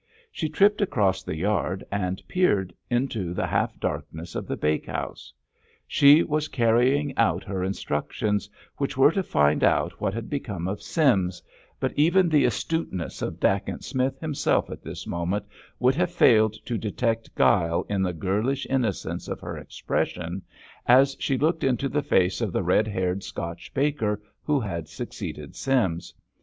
She tripped across the yard, and peered into the half darkness of the bakehouse. She was carrying out her instructions, which were to find out what had become of Sims, but even the astuteness of Dacent Smith himself at this moment would have failed to detect guile in the girlish innocence of her expression as she looked into the face of the red haired Scotch baker who had succeeded Sims.